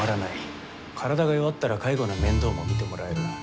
体が弱ったら介護の面倒も見てもらえる。